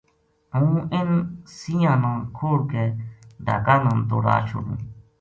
ہوں انھ سَینہاں نا کھوڑ کے ڈھاکا نا دوڑا چھوڈوں